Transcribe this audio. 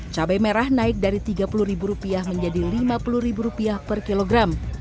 cabai merah naik dari rp tiga puluh menjadi rp lima puluh per kilogram